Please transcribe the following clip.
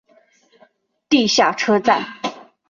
地下车站。